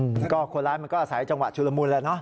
มันก็คนร้ายมันก็อาศัยจังหวะชุลมุนแล้วเนอ